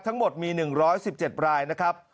ทั้งหมดมี๑๑๗รายนะครับ